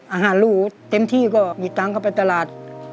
อาหารรูเต็มที่ก็มีตังค์เข้าไปตลาด